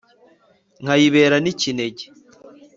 nkayibera n'ikinege